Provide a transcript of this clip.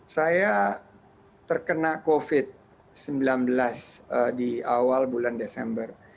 saya terkena covid sembilan belas di awal bulan desember